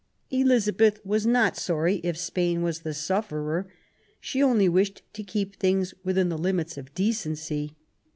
Elizabeth was not sorry if Spain was the sufferer; she only wished to keep things within the limits of decency.